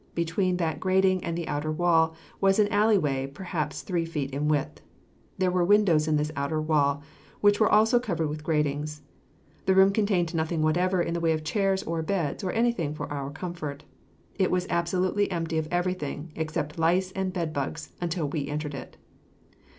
Between that grating and the outer wall was an alley way perhaps three feet in width. There were windows in this outer wall, which were also covered with gratings. The room contained nothing whatever in the way of chairs or beds or anything for our comfort. It was absolutely empty of everything, except lice and bedbugs, until we entered it.